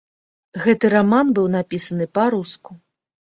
Гэты раман быў напісаны па-руску.